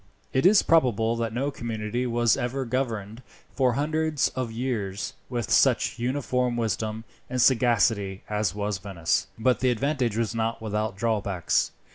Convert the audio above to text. It is probable that no community was ever governed, for hundreds of years, with such uniform wisdom and sagacity as was Venice; but the advantage was not without drawbacks.